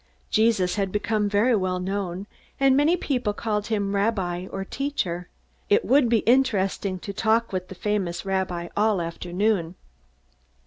Jesus had become very well known, and many people called him "Rabbi" or "Teacher." It would be interesting to talk with the famous rabbi all afternoon.